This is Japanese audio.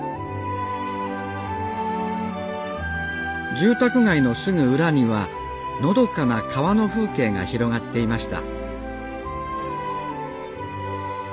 住宅街のすぐ裏にはのどかな川の風景が広がっていました